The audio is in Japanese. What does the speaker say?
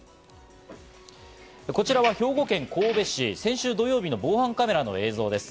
こちらは兵庫県神戸市、先週土曜日の防犯カメラの映像です。